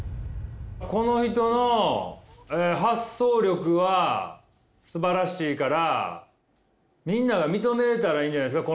この人の発想力はすばらしいからみんなが認めたらいいんじゃないですか